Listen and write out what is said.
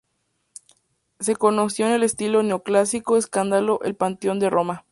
Se concibió en estilo neoclásico evocando al Panteón de Roma.